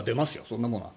そんなものは。